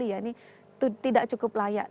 ini tidak cukup layak